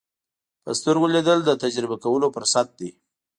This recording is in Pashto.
په سترګو لیدل د تجربه کولو فرصت دی